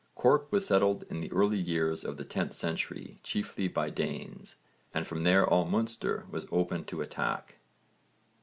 Cork was settled in the early years of the 10th century, chiefly by Danes, and from there all Munster was open to attack.